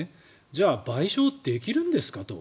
じゃあ賠償できるんですかと。